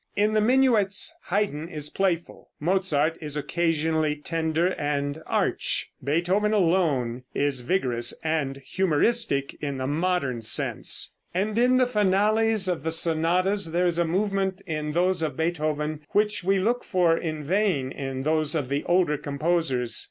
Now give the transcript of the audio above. In the minuets Haydn is playful, Mozart is occasionally tender and arch; Beethoven alone is vigorous and humoristic in the modern sense. And, in the finales of the sonatas there is a movement in those of Beethoven which we look for in vain in those of the older composers.